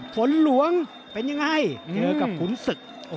ฝนหลวงเป็นยังไงเจอกับขุนศึก